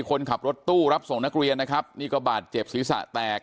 คนขับรถตู้รับส่งนักเรียนนะครับนี่ก็บาดเจ็บศีรษะแตก